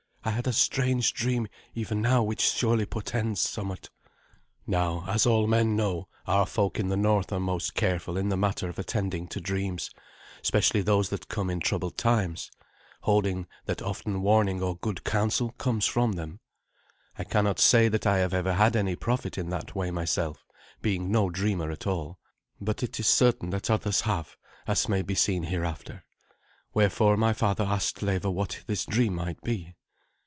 "I had a strange dream even now which surely portends somewhat." Now, as all men know, our folk in the north are most careful in the matter of attending to dreams, specially those that come in troubled times, holding that often warning or good counsel comes from them. I cannot say that I have ever had any profit in that way myself, being no dreamer at all; but it is certain that others have, as may be seen hereafter. Wherefore my father asked Leva what this dream might be.